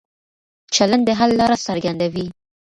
چلن د حل لاره څرګندوي.